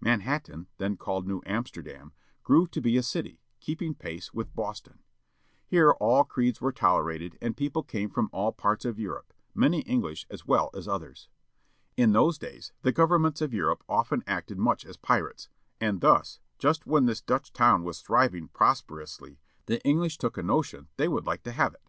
Manhattan, then called New Amsterdam, grew to be a city, keeping pace with Boston. Here all creeds were tolerated, and people came from all parts of Europe, many English as well as others. In those days the governments of Europe often acted much as pirates, as thus, just when this Dutch town was thriving prosperously, the English took a notion they would like to have it.